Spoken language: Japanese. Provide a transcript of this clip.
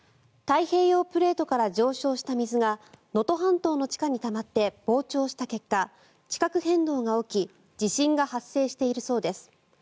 太平洋プレートから上昇した水が能登半島の地下にたまって膨張した結果地殻変動が起き地震が発生しているそうです。